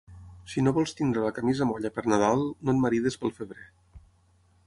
Si no vols tenir la camisa molla per Nadal, no et maridis pel febrer.